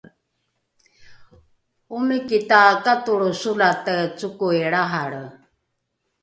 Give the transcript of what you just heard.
omiki takatolro solate cokoi lrahalre